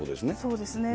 そうですね。